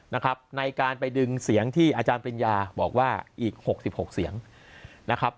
นะครับในการไปดึงเสียงที่อาจารย์ปริญญาบอกว่าอีก๖๖เสียงนะครับ